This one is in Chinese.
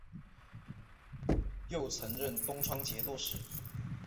又曾任东川节度使。